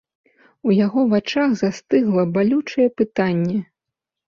У яго вачах застыгла балючае пытанне.